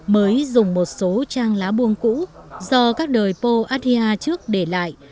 mới dùng một số trang lá buông cũ do các đời pô atia trước để lại